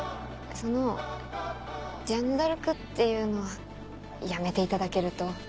その「ジャンヌ・ダルク」っていうのはやめていただけると。